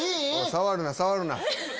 触るな触るな！